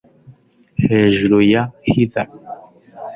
Hejuru ya heather